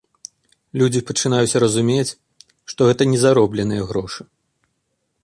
Людзі пачынаюць разумець, што гэта не заробленыя грошы.